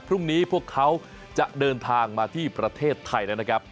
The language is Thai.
พรุ่งนี้พวกเขาจะเดินทางมาที่ประเทศไทยแล้วนะครับ